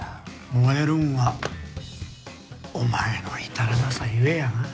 燃えるんはお前の至らなさ故やなあ。